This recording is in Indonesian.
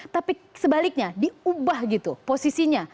tapi sebaliknya diubah gitu posisinya